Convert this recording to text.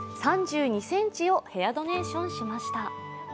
３２ｃｍをヘアドネーションしました。